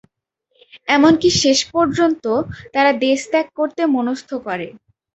এমনকি শেষ পর্যন্ত তারা দেশ ত্যাগ করতে মনস্থ করে।